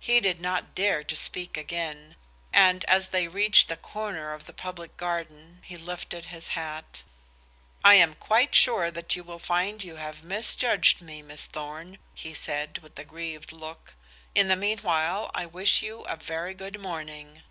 He did not dare to speak again, and as they reached the corner of the Public Garden he lifted his hat. "I am quite sure that you will find you have misjudged me, Miss Thorn," he said, with a grieved look. "In the mean while I wish you a very good morning."